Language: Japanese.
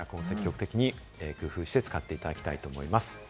工夫して使っていただきたいと思います。